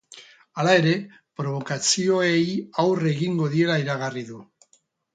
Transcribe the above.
Hala ere, probokazioei aurre egingo diela iragarri du.